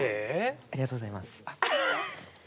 ありがとうございます。